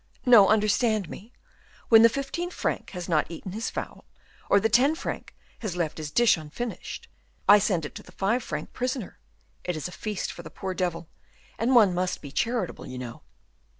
"No; understand me; when the fifteen franc has not eaten his fowl, or the ten franc has left his dish unfinished, I send it to the five franc prisoner; it is a feast for the poor devil, and one must be charitable, you know."